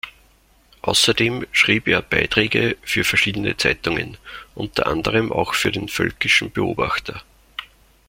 Außerdem schrieb er Beiträge für verschiedene Zeitungen, unter anderem auch für den "Völkischen Beobachter".